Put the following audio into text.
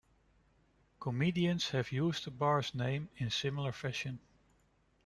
Comedians have used the bar's name in similar fashion.